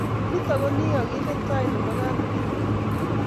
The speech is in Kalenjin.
Nito konekikakinde tai nebo kapkirwok